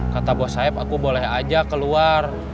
kata bos sayap aku boleh aja keluar